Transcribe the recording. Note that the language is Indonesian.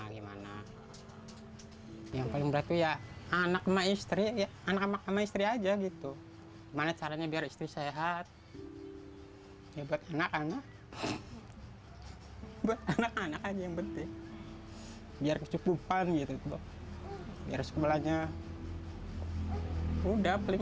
biar sekolahnya mudah